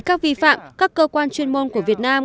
các vi phạm các cơ quan chuyên môn của việt nam